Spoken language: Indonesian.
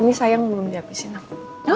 ini sayang belum dihabisin aku